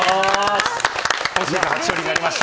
今シーズン初勝利になりました。